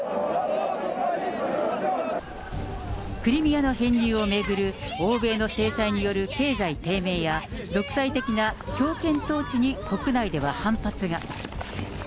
クリミアの編入を巡る欧米の制裁による経済低迷や、独裁的な強権統治に、国内では反発が。